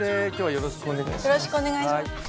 よろしくお願いします。